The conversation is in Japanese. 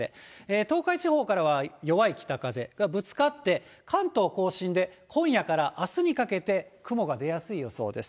東海地方からは弱い北風、ぶつかって、関東甲信で今夜からあすにかけて、雲が出やすい予想です。